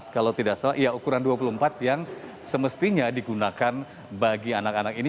kalau tidak salah ya ukuran dua puluh empat yang semestinya digunakan bagi anak anak ini